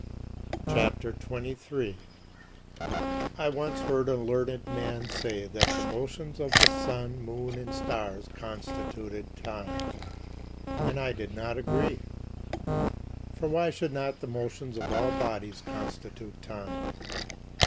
CHAPTER XXIII 29. I once heard a learned man say that the motions of the sun, moon, and stars constituted time; and I did not agree. For why should not the motions of all bodies constitute time?